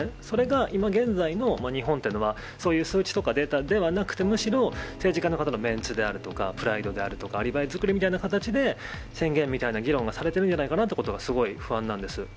それが今現在の日本というのは、そういう数値とかデータではなくて、むしろ、政治家の方のメンツであるとか、プライドであるとか、アリバイ作りみたいな感じで宣言みたいな議論がされてるんじゃないかなってことがすごい不安なんです。